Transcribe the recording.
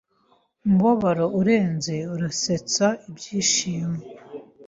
Umubabaro urenze urasetsa Ibyishimo